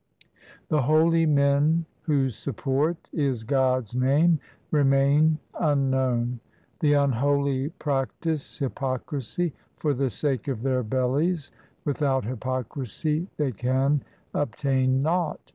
The holy men whose support is God's name remain un known. The unholy practise hypocrisy for the sake of their bellies Without hypocrisy they can obtain naught.